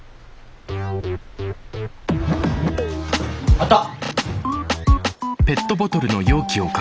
あった！